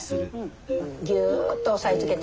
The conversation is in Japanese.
ギュッと押さえつけて。